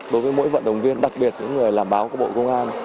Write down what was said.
đối với mỗi vận động viên đặc biệt những người làm báo của bộ công an